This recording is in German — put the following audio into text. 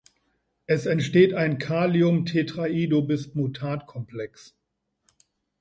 Es entsteht ein Kalium-Tetraiodobismutat-Komplex.